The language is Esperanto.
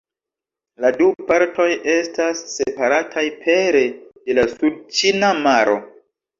La du partoj estas separataj pere de la Sudĉina Maro.